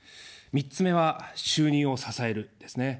３つ目は、収入を支える、ですね。